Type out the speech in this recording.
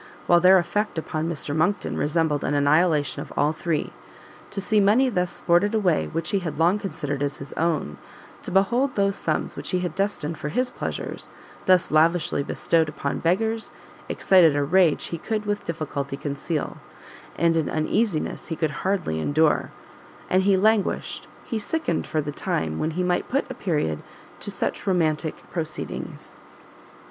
while their effect upon Mr Monckton resembled an annihilation of all three! to see money thus sported away, which he had long considered as his own, to behold those sums which he had destined for his pleasures, thus lavishly bestowed upon beggars, excited a rage he could with difficulty conceal, and an uneasiness he could hardly endure; and he languished, he sickened for the time, when he might put a period to such romantic proceedings.